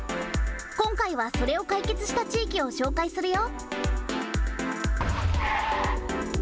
今回はそれを解決した地域を紹介するよ。